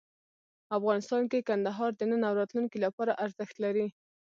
افغانستان کې کندهار د نن او راتلونکي لپاره ارزښت لري.